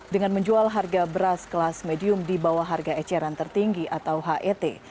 dengan menjual harga beras kelas medium di bawah harga eceran tertinggi atau het